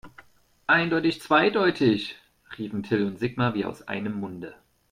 Eindeutig zweideutig, riefen Till und Sigmar wie aus einem Munde.